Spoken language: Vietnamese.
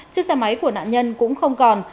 chiếc xe máy của nạn nhân cũng không còn